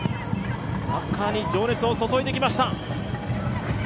サッカーに情熱を注いできました。